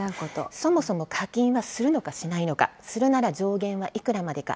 そもそも課金はするのかしないのか、するなら上限はいくらまでか。